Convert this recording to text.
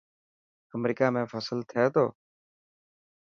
امريڪا ۾ فصل ٿي ٿو؟